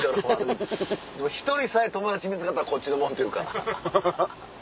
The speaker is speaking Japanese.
でも１人さえ友達見つかったらこっちのもんっていうか。